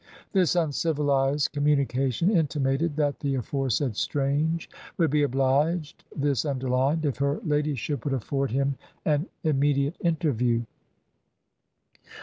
This uncivilised communication intimated that the aforesaid Strange would be obliged this underlined if her ladyship would afford him an immediate interview.